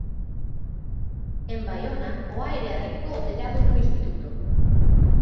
En Baiona, o aire arrincou o tellado dun instituto.